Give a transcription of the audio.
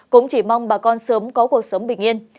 cũng chỉ mong bà con sớm có cuộc sống bình yên